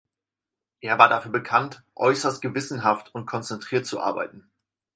Er war dafür bekannt, äußerst gewissenhaft und konzentriert zu arbeiten.